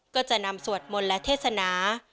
ก็จะนำสวดมนต์และเทศนา